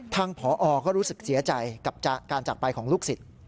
ผอก็รู้สึกเสียใจกับการจากไปของลูกศิษย์